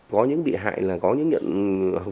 có những bị hại là có những nhân dân